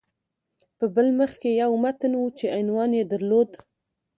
په بل مخ کې یو متن و چې عنوان یې درلود